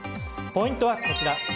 ポイントはこちら。